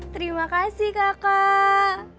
terima kasih kakak